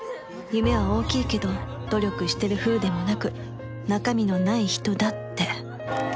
夢は大きいけど努力してるふうでもなく中身のない人だって